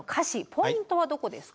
ポイントはどこですか？